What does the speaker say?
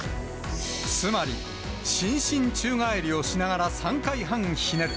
つまり、伸身宙返りをしながら３回半ひねる。